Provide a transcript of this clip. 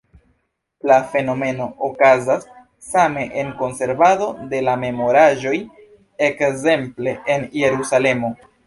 La fenomeno okazas same en konservado de la memoraĵoj, ekzemple en Jerusalemo.